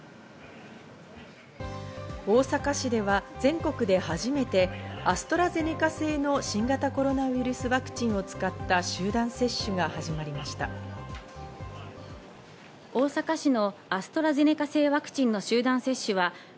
大阪市では全国で初めてアストラゼネカ製の新型コロナウイルスワクチンを使った集団接種が始まりました。